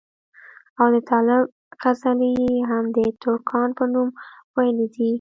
او د طالب غزلې ئې هم دترکاڼ پۀ نوم وئيلي دي